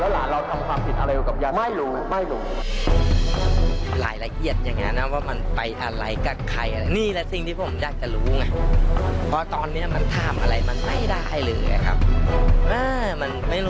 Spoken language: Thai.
แล้วหลานเราทำความผิดอะไรกับยังไงไม่รู้